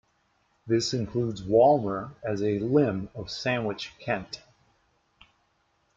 This includes Walmer, as a 'Limb' of Sandwich, Kent.